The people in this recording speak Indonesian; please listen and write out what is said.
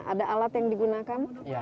ada alat yang digunakan